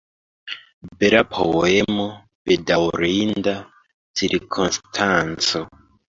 Bela poemo, bedaŭrinda cirkonstanco.